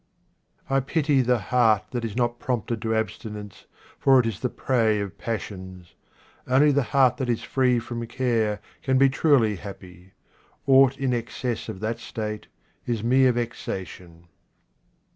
I PITY the heart that is not prompted to absti nence, for it is the prey of passions. Only the heart that is free from care can be truly happy. Aught in excess of that state is mere vexation.